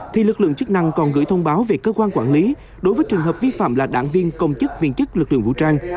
thì lực lượng chức năng còn gửi thông báo về cơ quan quản lý đối với trường hợp vi phạm là đảng viên công chức viên chức lực lượng vũ trang